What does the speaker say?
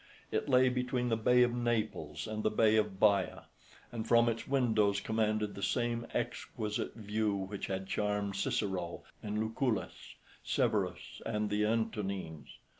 It lay between the Bay of Naples and the Bay of Baia, and from its windows commanded the same exquisite view which had charmed Cicero and Lucullus, Severus and the Antonines.